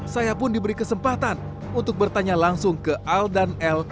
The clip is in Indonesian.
saya pun diberi kesempatan untuk bertanya langsung ke al dan el